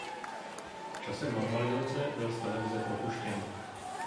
V čase normalizace byl z televize propuštěn.